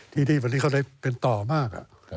ที่นี่วันนี้เขาได้เป็นต่อมาก